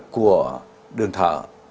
của đường thở